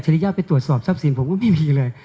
ริยาไปตรวจสอบทรัพย์สินผมก็ไม่มีเลย